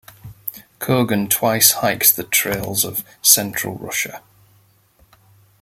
Kogan twice hiked the trails of central Russia.